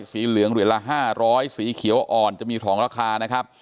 สีเหลืองเหรียญละ๕๐๐สีเขียวอ่อนจะมี๒ราคานะครับ